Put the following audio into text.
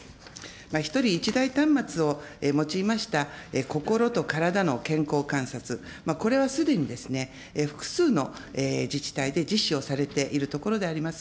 １人１台端末を用いました心と体の健康観察、これはすでに、複数の自治体で実施をされているところであります。